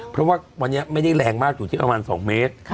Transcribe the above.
เพราะว่าวันนี้ไม่ได้แรงมากอยู่ที่ประมาณ๒เมตร